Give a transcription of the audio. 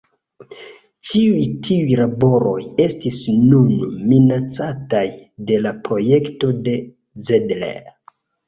Ĉiuj tiuj laboroj estis nun minacataj de la projekto de Zedler.